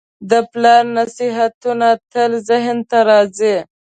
د پلار نصیحتونه تل ذهن ته راځي.